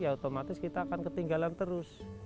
ya otomatis kita akan ketinggalan terus